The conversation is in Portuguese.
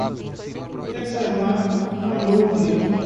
Até que San Juan não engula um fio.